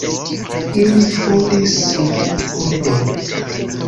Ili fondis la urbon.